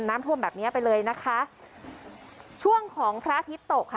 น้ำท่วมแบบเนี้ยไปเลยนะคะช่วงของพระอาทิตย์ตกค่ะ